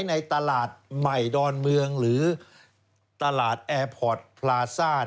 ในตลาดใหม่ดอนเมืองหรือตลาดแอร์พอร์ตพลาซ่า